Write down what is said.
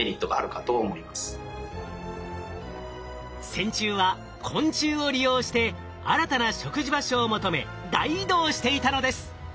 線虫は昆虫を利用して新たな食事場所を求め大移動していたのです。